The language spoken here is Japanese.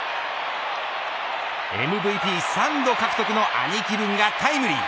ＭＶＰ３度獲得の兄貴分がタイムリー。